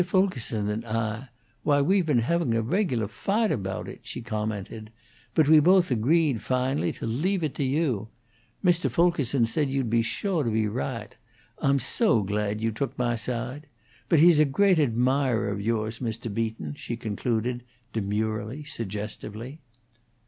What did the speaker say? Fulkerson and Ah, why, we've been having a regular faght aboat it," she commented. "But we both agreed, fahnally, to leave it to you; Mr. Fulkerson said you'd be sure to be raght. Ah'm so glad you took mah sahde. But he's a great admahrer of yours, Mr. Beaton," she concluded, demurely, suggestively.